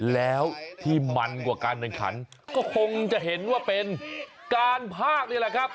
แล้วที่มันกว่าการแข่งขันก็คงจะเห็นว่าเป็นการภาคนี่แหละครับ